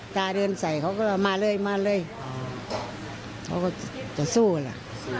เขาก็มาเลยมาเลยเขาก็จะสู้ล่ะ